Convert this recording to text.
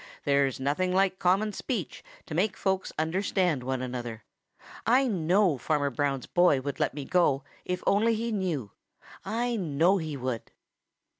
There's nothing like common speech to make folks understand one another. I know Farmer Brown's boy would let me go if he only knew; I know he would."